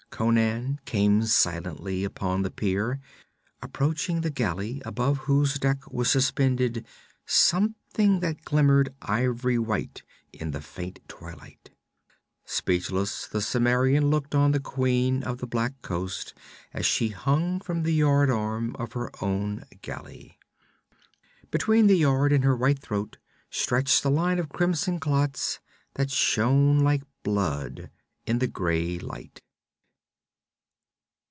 Conan came silently upon the pier, approaching the galley above whose deck was suspended something that glimmered ivory white in the faint twilight. Speechless, the Cimmerian looked on the Queen of the Black Coast as she hung from the yard arm of her own galley. Between the yard and her white throat stretched a line of crimson clots that shone like blood in the gray light.